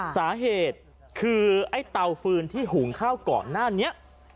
สาเหตุคือไอ้เตาฟืนที่หุงข้าวก่อนหน้านี้